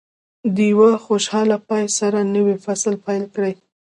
د یوه خوشاله پای سره نوی فصل پیل کړئ.